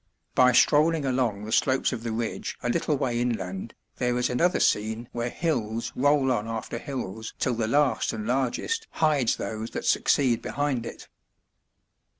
By strolling along the slopes of the ridge a little way inland there is another scene where hills roll on after hills till the last and largest hides those that succeed behind it.